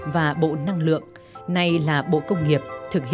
và bộ thủ tướng võ văn kiệt